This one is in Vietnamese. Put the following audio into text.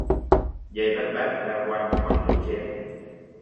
Dây bát bát leo quanh hòn núi Chén